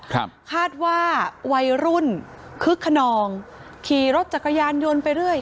ครับคาดว่าวัยรุ่นคึกขนองขี่รถจักรยานยนต์ไปเรื่อย